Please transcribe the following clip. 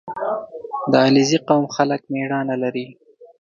• د علیزي قوم خلک مېړانه لري.